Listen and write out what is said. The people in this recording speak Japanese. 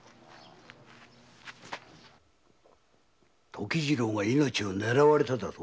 時次郎が命を狙われただと？